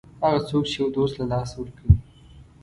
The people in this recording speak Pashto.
هغه څوک چې یو دوست له لاسه ورکوي.